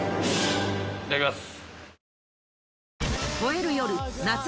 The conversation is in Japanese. いただきます。